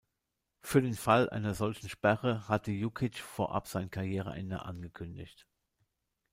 Für den Fall einer solchen Sperre hatte Jukić vorab sein Karriereende angekündigt.